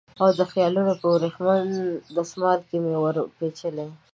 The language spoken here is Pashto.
او د خیالونو په وریښمین دسمال کې مې وپېچلې